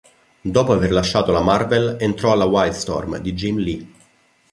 Dopo aver lasciato la Marvel entrò alla Wildstorm di Jim Lee.